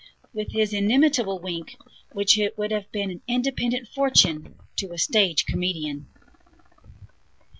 With his inimitable wink, which would have been an independent fortune to a stage comedian.